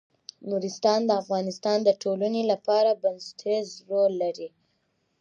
نورستان د افغانستان د ټولنې لپاره بنسټيز رول لري.